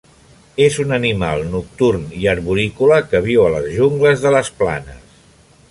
És un animal nocturn i arborícola que viu a les jungles de les planes.